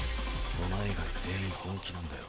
「お前以外全員本気なんだよ」